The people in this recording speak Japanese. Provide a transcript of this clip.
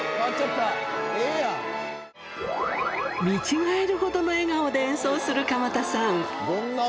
見違えるほどの笑顔で演奏する鎌田さん。